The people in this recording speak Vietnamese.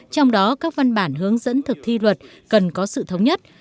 trong đó các văn bản hướng dẫn thực thi luật cần có sự thống nhất